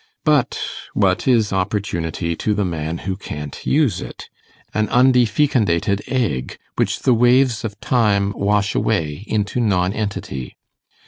But what is opportunity to the man who can't use it? An undefecundated egg, which the waves of time wash away into nonentity.